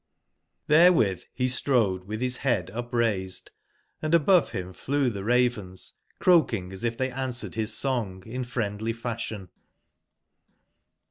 ITbcrcwitb be strode witb bis bead upraised, and above bim flew tbc ravens, croaking as if tbcy an swercdb is song in friendly f asbion.